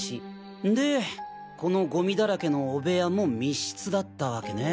でこのゴミだらけの汚部屋も密室だったわけね。